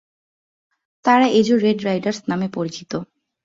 তারা এজো red raiders নামে পরিচিত।